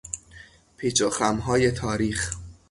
پیچ و خمهای تاریخ